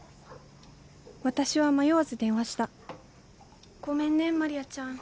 私は迷わず電話したごめんねマリアちゃん。